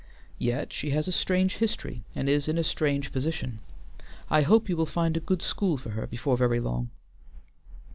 Yet she has a strange history, and is in a strange position. I hope you will find a good school for her before very long."